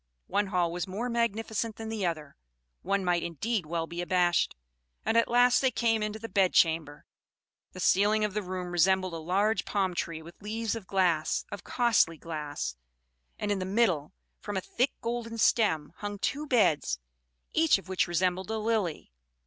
One hall was more magnificent than the other; one might indeed well be abashed; and at last they came into the bedchamber. The ceiling of the room resembled a large palm tree with leaves of glass, of costly glass; and in the middle, from a thick golden stem, hung two beds, each of which resembled a lily.